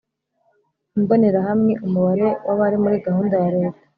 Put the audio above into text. Imbonerahamwe umubare w abari muri gahunda ya leta